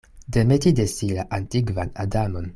Demeti de si la antikvan Adamon.